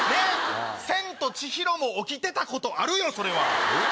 『千と千尋』も起きてたことあるよそれは。えっ？